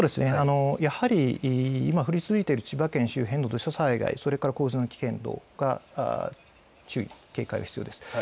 やはり、今降り続いている千葉県周辺の土砂災害や洪水の危険度が注意、警戒が必要です。